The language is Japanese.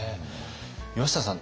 岩下さん